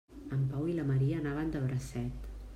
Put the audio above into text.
En Pau i la Maria anaven de bracet.